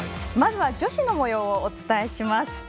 まずは女子のもようをお伝えします。